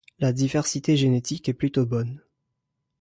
La diversité génétique est plutôt bonne.